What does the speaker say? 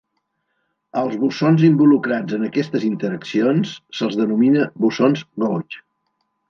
Als bosons involucrats en aquestes interaccions se'ls denomina bosons gauge.